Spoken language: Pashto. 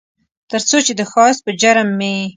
ترڅو چې د ښایست په جرم مې